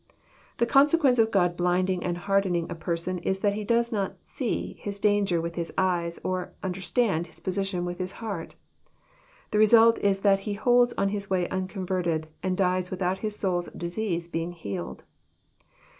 The consequence of God blinding and hardening a person is that he does not '*8ee " his danger with his eyes, or '' under stand " his position with his heart. The result is that he holds on his way unconverted, and dies without his soul's disease being healed.